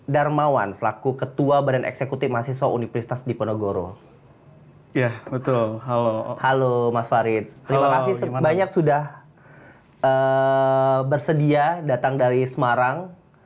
terima kasih banyak sudah bersedia datang dari semarang